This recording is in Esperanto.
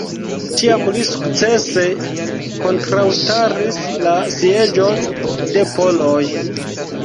Tiam li sukcese kontraŭstaris la sieĝon de poloj.